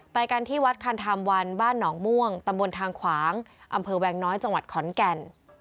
ไปกันที่วัดคันธรรมวันบ้านหนองม่วงตำบลทางขวางอำเภอแวงน้อยจังหวัดขอนแก่น